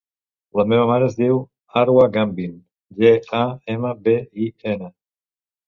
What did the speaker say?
La meva mare es diu Arwa Gambin: ge, a, ema, be, i, ena.